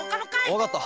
わかった！